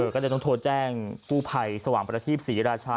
ก็เลยต้องโทรแจ้งกู้ภัยสว่างประทีปศรีราชา